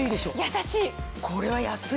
優しい。